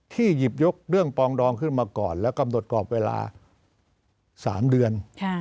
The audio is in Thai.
หยิบยกเรื่องปองดองขึ้นมาก่อนและกำหนดกรอบเวลา๓เดือน